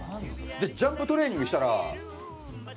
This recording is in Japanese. ジャンプトレーニングしたら。